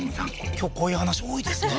今日こういう話多いですね